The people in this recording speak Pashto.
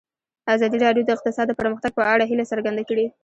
ازادي راډیو د اقتصاد د پرمختګ په اړه هیله څرګنده کړې.